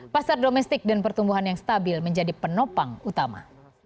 pasar domestik dan pertumbuhan yang stabil menjadi penopang utama